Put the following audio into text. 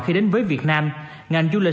khi đến với việt nam ngành du lịch